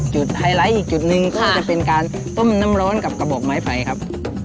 ไฮไลท์อีกจุดหนึ่งก็จะเป็นการต้มน้ำร้อนกับกระบอกไม้ไฟครับ